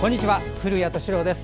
古谷敏郎です。